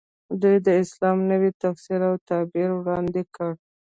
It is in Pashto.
دوی د اسلام نوی تفسیر او تعبیر وړاندې کړ.